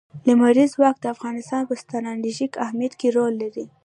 لمریز ځواک د افغانستان په ستراتیژیک اهمیت کې رول لري.